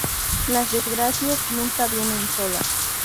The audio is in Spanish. Las desgracias nunca vienen solas